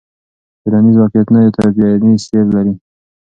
ټولنیز واقعیتونه یو تکویني سیر لري.